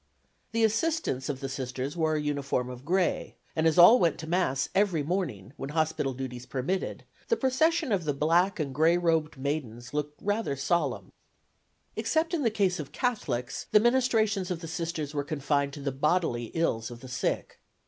The assistants of the Sisters wore a uniform of gray, and as all went to Mass every morning, when hospital duties permitted, the procession of the black and gray robed maidens looked rather solemn. Except in case of Catholics the ministrations of the Sisters were confined to the bodily ills of the sick.